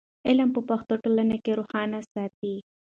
علم په پښتو ټولنه روښانه ساتي.